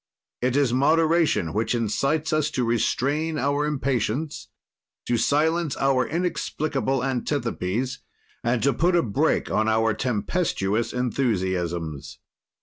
It is moderation which incites us to restrain our impatience, to silence our inexplicable antipathies and to put a break on our tempestuous enthusiasms.